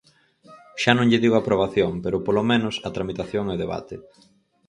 Xa non lle digo a aprobación, pero, polo menos, a tramitación e o debate.